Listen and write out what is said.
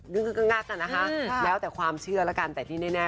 ก็คือก็งักอะนะคะแล้วแต่ความเชื่อแล้วกันแต่ที่แน่